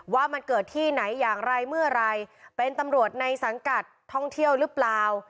ว่ามันเกิดที่ไหนอย่างไรเมื่อไหร่เป็นตำรวจในสังกัดท่องเที่ยวหรือเปล่า